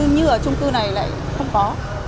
như ở trung cư này lại không có